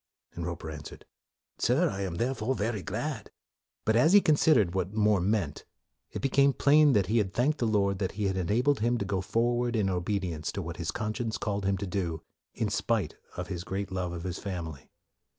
1 Roper answered, " Sir, I am thereof very glad." But as he considered what More meant, 46 MORE it became plain that he had thanked the Lord that He had enabled him to go forward in obedience to what his con science called him to do, in spite of his great love of his family.